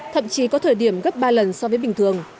thậm chí có thời điểm gấp ba lần so với bình thường